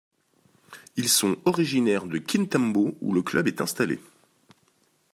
Ils sont originaires de Kintambo où le club est installé.